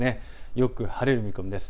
よく晴れる見込みです。